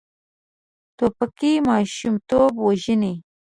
توپک ماشومتوب وژني.